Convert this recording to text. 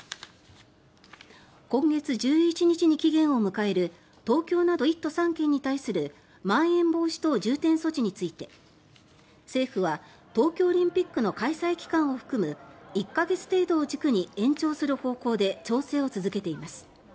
今月１１日に期限を迎える東京など１都３県に対するまん延防止等重点措置について政府は東京オリンピックの開催期間を含む１か月程度を軸に延長する方向で調整を続けています。